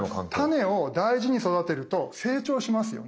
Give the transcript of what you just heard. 種を大事に育てると成長しますよね。